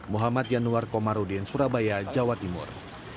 muhammad yanuar komarudin surabaya jawa timur